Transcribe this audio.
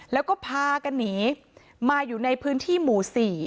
แล้วก็พากันหนีมาอยู่ในพื้นที่หมู่๔